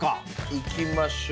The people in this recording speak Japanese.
いきましょう。